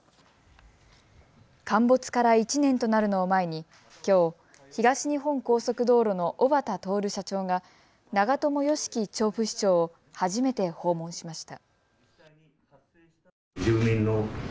陥没から１年となるのを前にきょう東日本高速道路の小畠徹社長が長友貴樹調布市長を初めて訪問しました。